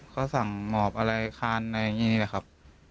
เขาสั่งหมอบอะไรคานอย่างนี้แหละครับ